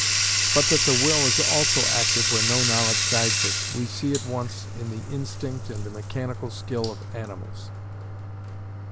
But that the will is also active where no knowledge guides it, we see at once in the instinct and the mechanical skill of animals.